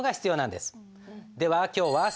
では今日はさ